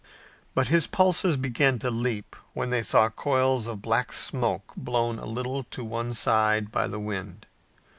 But his pulses began to leap when they saw coils of black smoke blown a little to one side by the wind.